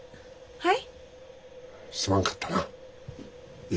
はい。